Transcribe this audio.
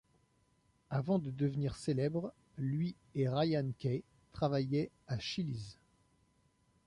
Avant de devenir célèbres, lui et Ryan Key travaillaient à Chili's.